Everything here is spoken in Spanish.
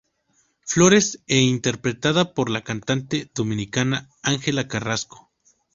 Flórez e interpretada por la cantante dominicana Ángela Carrasco.